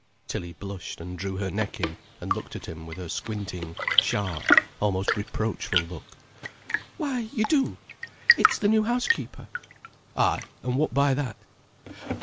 Tilly blushed and drew her neck in and looked at him with her squinting, sharp, almost reproachful look. "Why you do—it's the new housekeeper." "Ay—an' what by that?"